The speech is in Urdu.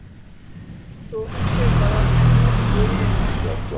تو اس سے بڑا احمق کوئی نہیں۔